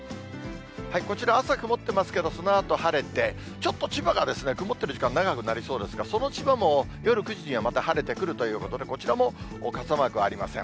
こちら、朝曇っていますけれども、そのあと晴れて、ちょっと千葉が、曇ってる時間長くなりそうですが、その千葉も、夜９時にはまた晴れてくるということで、こちらも傘マークありません。